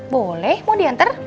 boleh mau diantar